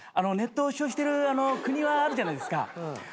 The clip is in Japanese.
ネットを使用してる国はあるじゃないですか。